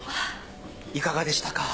いかがでしたか？